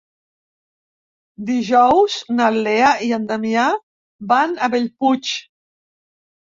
Dijous na Lea i en Damià van a Bellpuig.